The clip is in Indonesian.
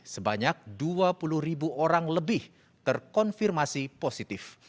sebanyak dua puluh ribu orang lebih terkonfirmasi positif